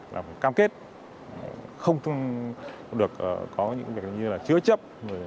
làm cam kết không được có những việc như là chứa chấp